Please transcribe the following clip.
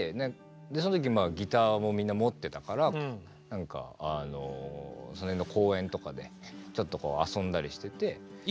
そん時ギターをみんな持ってたから何かその辺の公園とかでちょっと遊んだりしてて。